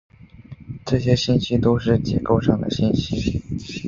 这些信息都是结构上的信息。